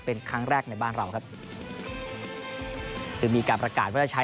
เป็นครั้งแรกในบ้านเราครับโดยมีการประกาศว่าจะใช้